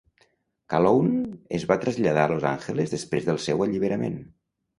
Calhoun es va traslladar a Los Angeles després del seu alliberament.